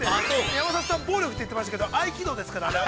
山里さん暴力って言ってましたけど合気道ですから、あれは。